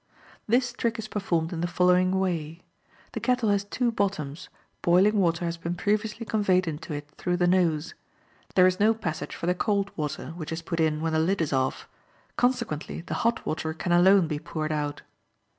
This trick is performed in the following way: The kettle has two bottoms; boiling water has been previously conveyed into it through the nose. There is no passage for the cold water, which is put in when the lid is off; consequently, the hot water can alone be poured out.